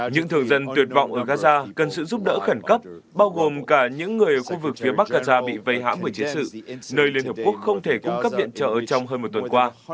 những thường dân tuyệt vọng ở gaza cần sự giúp đỡ khẩn cấp bao gồm cả những người ở khu vực phía bắc gaza bị vây hãm bởi chiến sự nơi liên hợp quốc không thể cung cấp viện trợ trong hơn một tuần qua